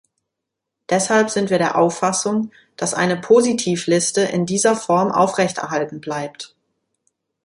Deshalb sind wir der Auffassung, dass eine Positivliste in dieser Form aufrecht erhalten bleibt.